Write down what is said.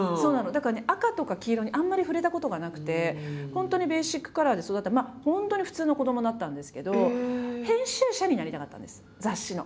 だからね赤とか黄色にあんまり触れたことがなくて本当にベーシックカラーで育った本当に普通の子どもだったんですけど雑誌の。